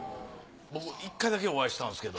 僕１回だけお会いしたんですけど。